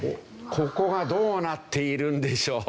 ここがどうなっているんでしょう？